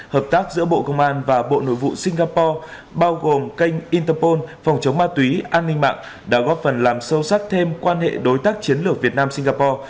hợp tác giữa bộ công an và bộ nội vụ singapore bao gồm kênh interpol phòng chống ma túy an ninh mạng đã góp phần làm sâu sắc thêm quan hệ đối tác chiến lược việt nam singapore